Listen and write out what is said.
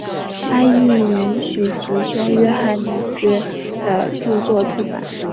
他亦允许其兄约翰内斯的着作出版。